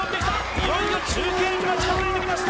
いよいよ中継所が近づいてきました